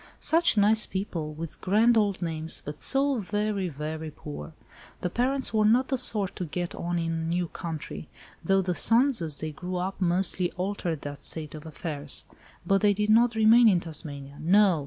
Such nice people, with grand old names, but so very, very poor. The parents were not the sort to get on in a new country, though the sons, as they grew up, mostly altered that state of affairs. But they did not remain in Tasmania. No!